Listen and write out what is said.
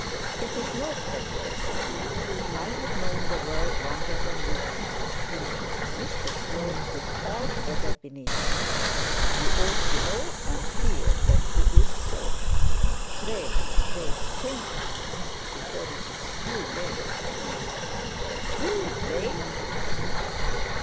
'It is no prejudice, Eleanor. I have known the world longer than you have done. Mr Slope is altogether beneath you. You ought to know and feel that he is so. Pray pray think of this before it is too late.' 'Too late!'